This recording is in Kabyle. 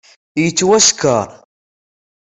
Yettwasker.